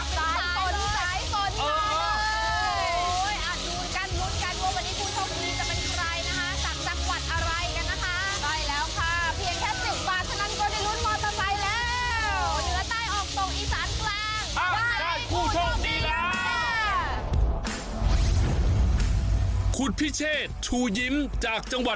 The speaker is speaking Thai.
เป็นสายเลยสายสนค่ะ